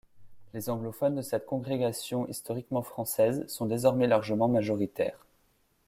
Les anglophones de cette congrégation historiquement française sont désormais largement majoritaires.